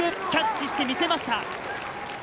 キャッチしてみせました。